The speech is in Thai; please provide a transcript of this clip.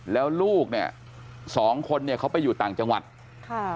แล้วลูกเนี่ยสองคนเนี่ยเขาไปอยู่ต่างจังหวัดค่ะ